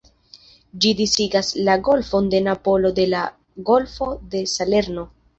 Ĝi disigas la Golfon de Napolo de la Golfo de Salerno.